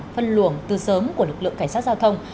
phân luồng từ sớm của lực lượng cảnh sát giao thông